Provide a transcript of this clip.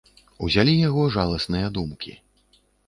Узялі яго жаласныя думкі.